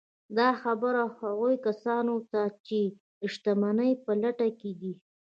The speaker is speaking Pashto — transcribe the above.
دا خبره هغو کسانو ته ده چې د شتمنۍ په لټه کې دي